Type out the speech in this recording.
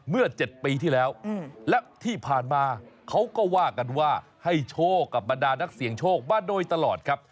เมื่อ๗ปีที่แล้วและที่ผ่านมาเขาก็ว่ากันว่าให้โชคกับบรรดานักเสี่ยงโชคมาโดยตลอดครับ